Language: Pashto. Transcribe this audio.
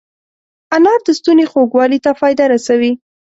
انار د ستوني خوږوالي ته فایده رسوي.